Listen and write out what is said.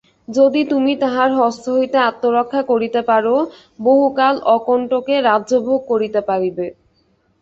যদি তুমি তাহার হস্ত হইতে আত্মরক্ষা করিতে পার, বহু কাল অকণ্টকে রাজ্যভোগ করিতে পারিবে।